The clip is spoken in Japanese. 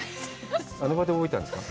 あの場で覚えたんですか？